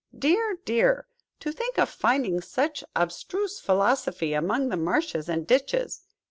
Dear, dear! to think of finding such abstruse philosophy among the marshes and ditches!